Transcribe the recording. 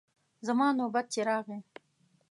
زما نوبت چې راغی.